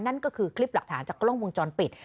นั่นก็คือคลิปหลักฐานจากกล้องวงจรปิด